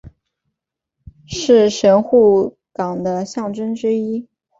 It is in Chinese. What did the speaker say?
是神户港的象征之一。